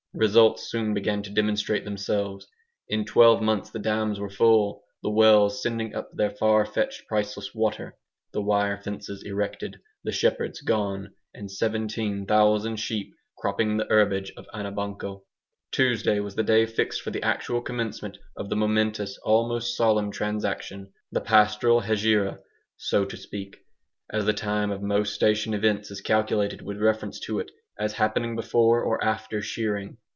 Results soon began to demonstrate themselves. In twelve months the dams were full, the wells sending up their far fetched priceless water, the wire fences erected, the shepherds gone, and 17,000 sheep cropping the herbage of Anabanco. Tuesday was the day fixed for the actual commencement of the momentous, almost solemn transaction the pastoral Hegira, so to speak, as the time of most station events is calculated with reference to it, as happening before or after shearing.